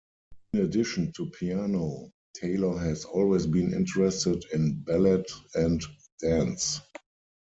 In addition to piano, Taylor has always been interested in ballet and dance.